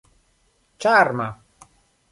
ĉarma